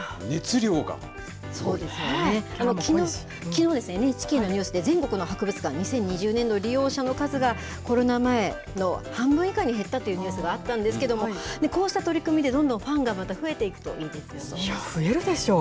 きのう、ＮＨＫのニュースで、全国の博物館２０２０年の利用者の数がコロナ前の半分以下に減ったというニュースがあったんですけども、こうした取り組みでどんどんファンがまた増えていくといいですよね。